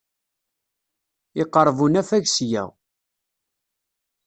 Yeqreb unafag seg-a.